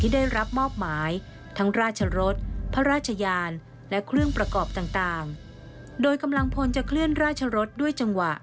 พระราชญานและเครื่องประกอบต่างโดยกำลังพลจะเคลื่อนราชรถด้วยจังหวะ